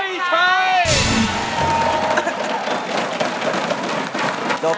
ไม่ใช้ครับ